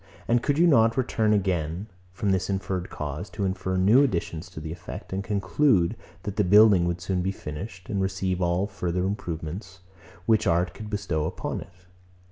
And could you not return again, from this inferred cause, to infer new additions to the effect, and conclude, that the building would soon be finished, and receive all the further improvements, which art could bestow upon it?